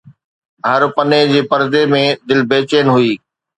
هر پني جي پردي ۾ دل بيچين هئي